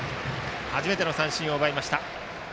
初めての三振を奪いました。